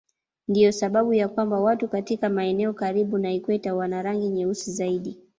Ndiyo sababu ya kwamba watu katika maeneo karibu na ikweta wana rangi nyeusi zaidi.